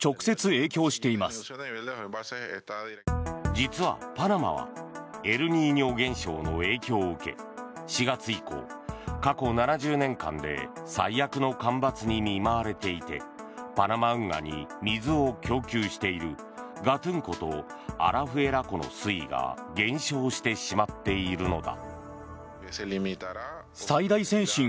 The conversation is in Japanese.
実はパナマはエルニーニョ現象の影響を受け４月以降、過去７０年間で最悪の干ばつに見舞われていてパナマ運河に水を供給しているガトゥン湖とアラフエラ湖の水位が減少してしまっているのだ。